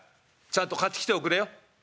ちゃんと買ってきておくれよ。